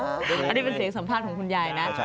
อันนี้เป็นเสียงสัมภาษณ์ของคุณยายนะ